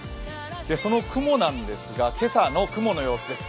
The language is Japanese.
その雲ですが、今朝の雲の様子です。